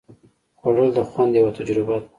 خوړل د خوند یوه تجربه ده